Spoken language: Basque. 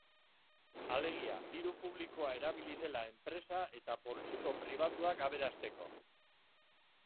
Alegia, diru publikoa erabili dela enpresa eta poltsiko pribatuak aberasteko.